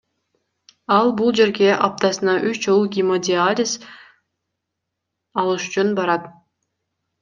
Ал бул жерге аптасына үч жолу гемодиализ алыш үчүн барат.